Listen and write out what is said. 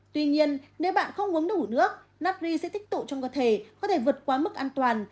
tuy nhiên nếu bạn không uống đủ nước natry sẽ tích tụ trong cơ thể có thể vượt qua mức an toàn